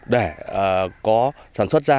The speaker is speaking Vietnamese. để có sản xuất ra